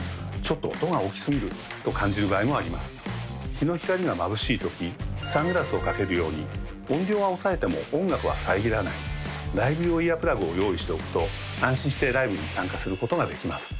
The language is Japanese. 日の光がまぶしい時サングラスをかけるように音量は抑えても音楽は遮らないライブ用イヤープラグを用意しておくと安心してライブに参加することができます